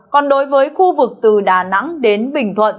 còn đối với khu vực từ đà nẵng đến bình thuận